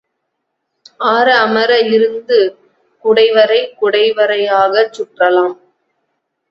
ஆற அமர இருந்து குடைவரை குடைவரையாகச் சுற்றலாம்.